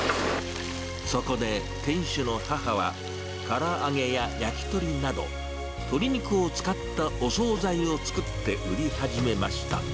そこで、店主の母は、から揚げや焼き鳥など、鶏肉を使ったお総菜を作って売り始めました。